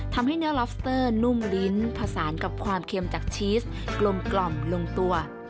ทำให้เนื้อลอบสเตอร์นุ่มลิ้นผสานกับความเค็มจากชีสกลมลงตัว